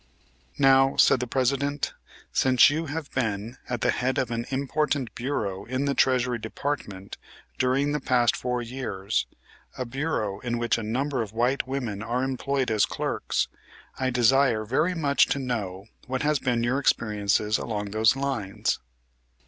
"Now," said the President, "since you have been at the head of an important bureau in the Treasury Department during the past four years, a bureau in which a number of white women are employed as clerks, I desire very much to know what has been your experiences along those lines."